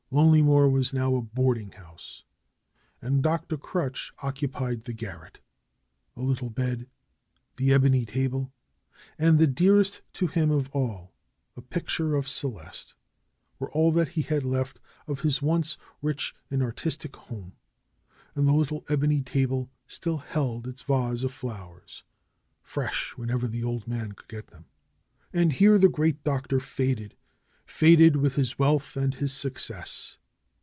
Lonelymoor was now a boarding house, and Dr. Crutch occupied the garret. A little bed, the ebony table, and, dearest to him of all, a picture of Celeste, were all that he had left of his once rich and artistic home. And the little ebony table still held its vase of flowers, fresh whenever the old man could get them. And here the great Doctor faded; faded with his wealth and his success.